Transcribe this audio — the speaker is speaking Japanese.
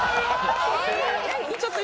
ちょっと！